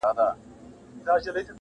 یوازې راغلې او یوازې دلته پاتې شولې